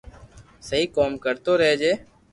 سھي ڪوم ڪرتو رھجي